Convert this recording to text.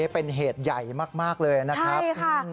เป็นเหตุใหญ่มากเลยนะครับ